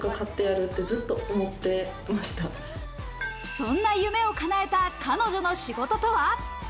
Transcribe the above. そんな夢をかなえた彼女の仕事とは？